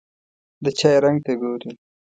د چای رنګ ته ګوري.